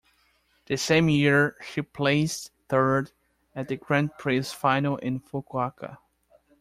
The same year she placed third at the Grand Prix Final in Fukuoka.